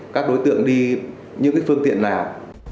các đối tượng đi những phương tiện nào